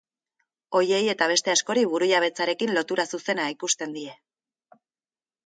Horiei eta beste askori burujabetzarekin lotura zuzena ikusten die.